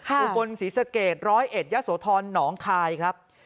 อุบลศรีสเกต๑๐๑ยสโทอนหนองคายครับ